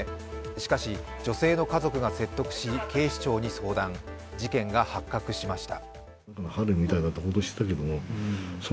しかし、女性の家族が説得し、警視庁に相談、事件が発覚しました。